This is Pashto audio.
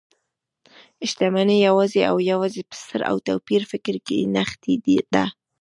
شتمنۍ يوازې او يوازې په ستر او توپيري فکر کې نغښتي ده .